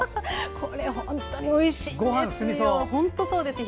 これ本当においしいんですよ。